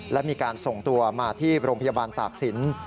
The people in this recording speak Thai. และมีการส่งตัวมาที่โรงพยาบาลตากศิลป์